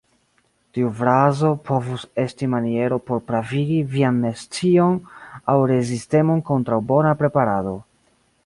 Tiu frazo povus esti maniero por pravigi vian nescion aŭ rezistemon kontraŭ bona preparado.